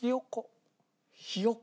ひよこ？